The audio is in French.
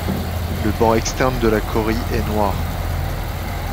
Le bord externe de la corie est noir.